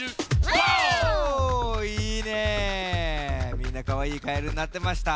みんなかわいいカエルになってました。